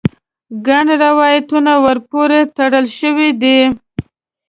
ګڼ روایتونه ور پورې تړل شوي دي.